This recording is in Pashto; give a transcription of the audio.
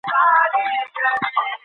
ما په ترخه خندا ځواب ورکړ.